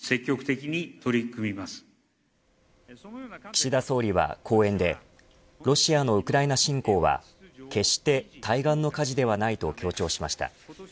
岸田総理は講演でロシアのウクライナ侵攻は決して対岸の火事ではないと強調しました。